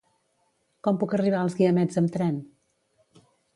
Com puc arribar als Guiamets amb tren?